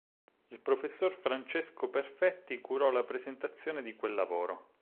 Il professor Francesco Perfetti curò la presentazione di quel lavoro.